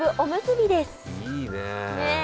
いいねえ。